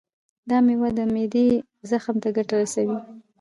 دا میوه د معدې زخم ته ګټه رسوي.